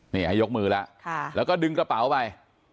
นี่ให้ยกมือแล้วแล้วก็ดึงกระเป๋าไป